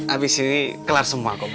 abis ini kelar semua kok